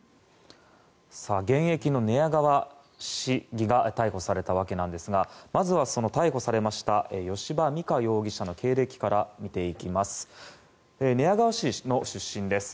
現役の寝屋川市議が逮捕されたわけなんですがまずは逮捕されました吉羽美華容疑者の経歴から見ていきます。